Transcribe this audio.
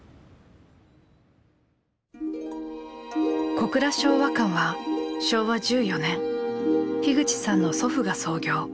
小倉昭和館は昭和１４年口さんの祖父が創業。